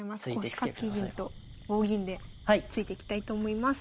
腰掛け銀と棒銀でついていきたいと思います。